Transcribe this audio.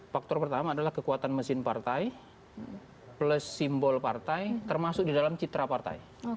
faktor pertama adalah kekuatan mesin partai plus simbol partai termasuk di dalam citra partai